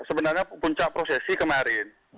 sebenarnya puncak prosesi kemarin